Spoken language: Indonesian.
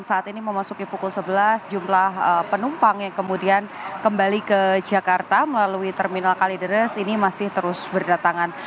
saat ini memasuki pukul sebelas jumlah penumpang yang kemudian kembali ke jakarta melalui terminal kalideres ini masih terus berdatangan